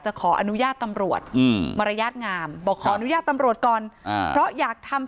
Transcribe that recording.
จะขออนุญาตตำรวจมรยาชงามบอกถอดยาตรตำรวจก่อนเพราะอยากทำ